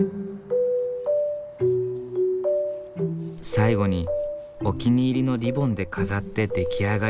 最後にお気に入りのリボンで飾って出来上がり。